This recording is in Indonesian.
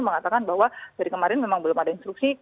mengatakan bahwa dari kemarin memang belum ada instruksi